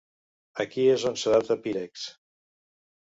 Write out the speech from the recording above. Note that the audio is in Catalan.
Aquí és on s'adapta Pyrex.